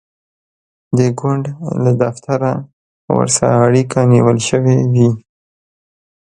د ګوند له دفتره ورسره اړیکه نیول شوې وي.